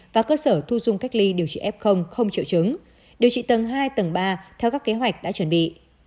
và cơ sở thu dung cách ly điều trị f không triệu chứng điều trị tầng hai tầng ba theo các kế hoạch đã chuẩn bị